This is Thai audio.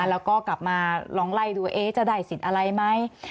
แล้วก็กลับมาลองไล่ดูว่าจะได้สิทธิ์อะไรไหม